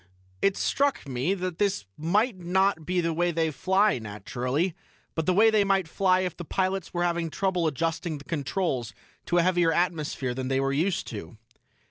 "It struck me that this might not be the way they fly, naturally, but the way they might fly if the pilots were having trouble adjusting the controls to a heavier atmosphere than they were used to."